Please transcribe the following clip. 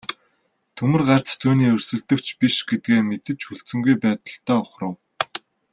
Төмөр гарт түүний өрсөлдөгч биш гэдгээ мэдэж хүлцэнгүй байдалтай ухрав.